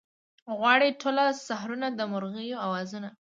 غواړي ټوله سحرونه د مرغیو اوازونه